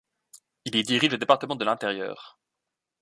Il y dirige le Département de l'Intérieur.